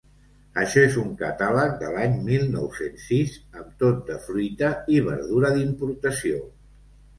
Això és un catàleg de l'any mil nou-cents sis amb tot de fruita i verdura d'importació.